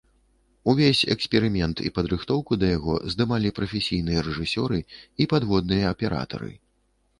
Увесь эксперымент і падрыхтоўку да яго здымалі прафесійныя рэжысёры і падводныя аператары.